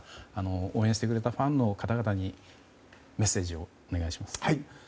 応援してくれたファンの方々にメッセージをお願いします。